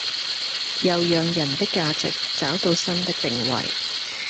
又讓人的價值找到新的定位